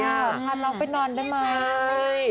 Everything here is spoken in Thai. พระเจียพาน้องไปนอนได้ไหม